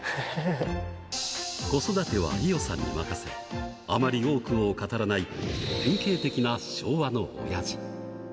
子育ては伊代さんに任せ、あまり多くを語らない典型的な昭和のおやじ。